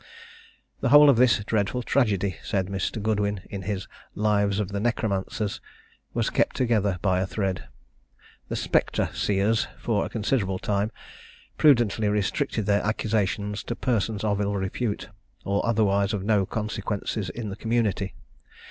The whole of this dreadful tragedy, says Mr. Godwin, in his "Lives of the Necromancers," was kept together by a thread. The spectre seers, for a considerable time, prudently restricted their accusations to persons of ill repute, or otherwise of no consequence in the community.